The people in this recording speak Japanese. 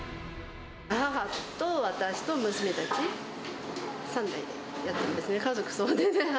母と私と娘たち、３代でやってますね。